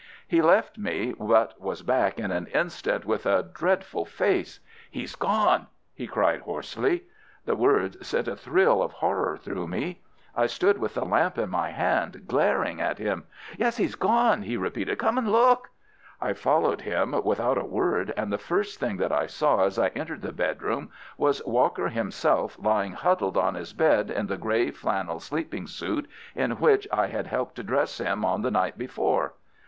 He left me, but was back in an instant with a dreadful face. "He's gone!" he cried hoarsely. The words sent a thrill of horror through me. I stood with the lamp in my hand, glaring at him. "Yes, he's gone!" he repeated. "Come and look!" I followed him without a word, and the first thing that I saw as I entered the bedroom was Walker himself lying huddled on his bed in the grey flannel sleeping suit in which I had helped to dress him on the night before.